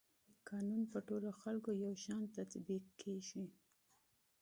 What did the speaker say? قانون په ټولو خلکو یو شان تطبیقیږي.